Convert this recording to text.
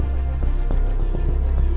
aku mau main ke rumah intan